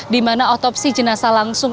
dimana otopsi jenazah langsung